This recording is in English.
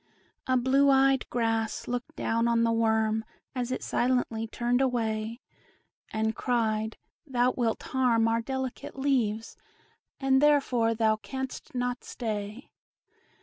A blue eyed grass looked down on the worm, As it silently turned away, And cried, "Thou wilt harm our delicate leaves, And therefore thou canst not stay."